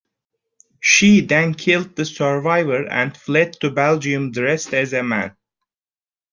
She then killed the survivor and fled to Belgium dressed as a man.